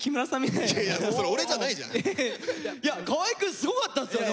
いや河合くんすごかったっすよね